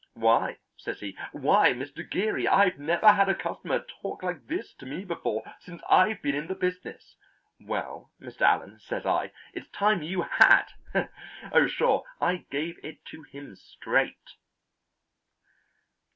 'Why,' says he, 'why, Mr. Geary, I've never had a customer talk like this to me before since I've been in the business!' 'Well, Mr. Allen,' says I, 'it's time you had! Oh, sure, I gave it to him straight."